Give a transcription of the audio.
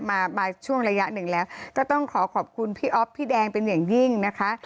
มามาช่วงระยะหนึ่งแล้วก็ต้องขอขอบคุณพี่อ๊อฟพี่แดงเป็นอย่างยิ่งนะคะ